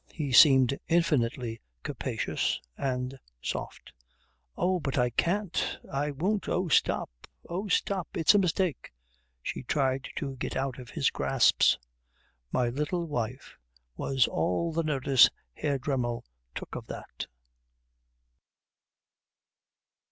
He seemed infinitely capacious and soft. "Oh, but I can't I won't oh, stop oh, stop it's a mistake " she tried to get out in gasps. "My little wife," was all the notice Herr Dremmel took of that.